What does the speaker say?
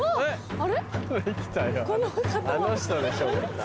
あの人でしょまた。